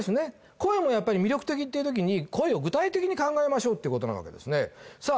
声もやっぱり魅力的っていう時に声を具体的に考えましょうってことなわけですねさあ